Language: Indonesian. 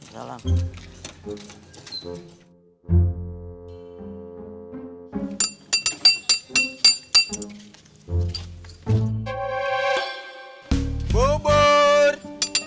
oke assalamualaikum pak ji